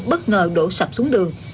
bất ngờ đổ sập xuống đường